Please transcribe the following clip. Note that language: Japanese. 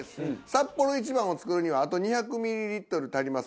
サッポロ一番を作るにはあと２００ミリリットル足りません。